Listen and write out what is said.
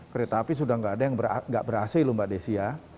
kereta api sudah tidak ada yang tidak ber ac lho mbak desi ya